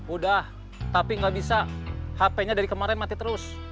udah tapi gak bisa hpnya dari kemarin mati terus